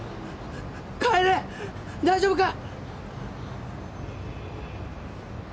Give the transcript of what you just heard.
楓大丈夫か！？